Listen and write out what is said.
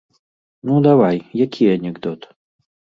Ну давай, які анекдот?